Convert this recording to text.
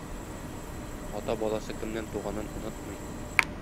Ата баласы кемнән туганын онытмый.